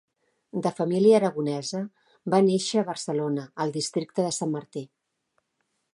De família aragonesa, va néixer a Barcelona, al Districte de Sant Martí.